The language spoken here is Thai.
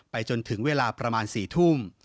จนถึงเวลาประมาณ๔ทุ่ม